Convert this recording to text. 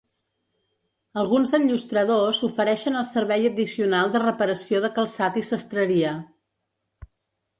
Alguns enllustradors ofereixen el servei addicional de reparació de calçat i sastreria.